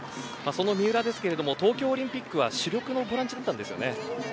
その三浦ですが東京オリンピックは主力のボランチだったんですよね。